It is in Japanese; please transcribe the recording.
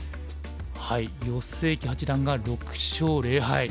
余正麒八段が６勝０敗。